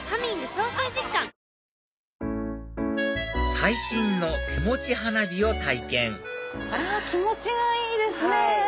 最新の手持ち花火を体験気持ちがいいですね！